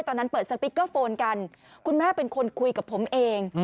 ตอนนั้นเปิดสติ๊กเกอร์โฟนกันคุณแม่เป็นคนคุยกับผมเอง